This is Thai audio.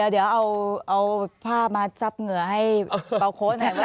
เดี๋ยวเอาผ้ามาจับเหงื่อให้เปล่าโค้ด